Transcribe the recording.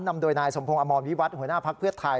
นำโดยนายสมพงศ์อมรวิวัตรหัวหน้าภักดิ์เพื่อไทย